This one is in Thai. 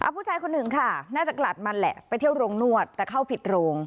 ผู้ชายคนหนึ่งค่ะน่าจะกลัดมันแหละไปเที่ยวโรงนวดแต่เข้าผิดโรง